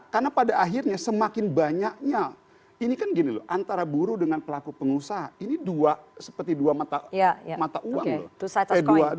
karena pada akhirnya semakin banyaknya ini kan gini loh antara buruh dengan pelaku pengusaha ini dua seperti dua mata uang loh